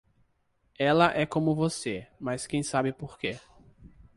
Ela é como você, mas quem sabe porque.